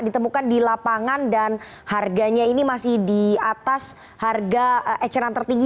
ditemukan di lapangan dan harganya ini masih di atas harga eceran tertinggi